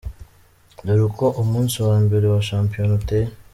Dore uko umunsi wa mbere wa shampiyona uteye:.